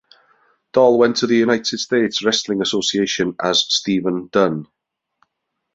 Doll went to the United States Wrestling Association as Steven Dunn.